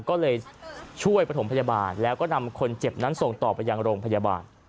ก็เลยช่วยประถมพยาบาลแล้วก็นำคนเจ็บนั้นส่งต่อไปยังโรงพยาบาล